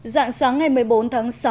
dạng sáng ngày một mươi bốn tháng sáu